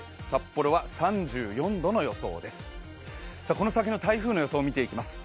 この先の台風の予想を見ていきます。